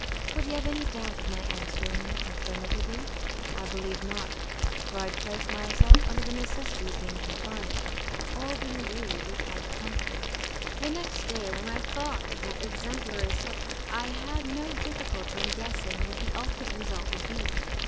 Could he have any doubt of my answering affirmatively? I believe not, for I had placed myself under the necessity of being compliant. All being agreed, we parted company. The next day, when I thought of that exemplary supper, I had no difficulty in guessing what the ultimate result would be.